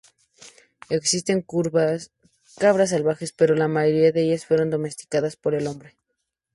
Existen cabras salvajes, pero la mayoría de ellas fueron domesticadas por el hombre.